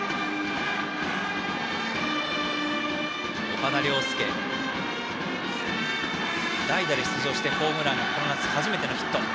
岡田諒介、代打で出場してホームランがこの夏初めてのヒット。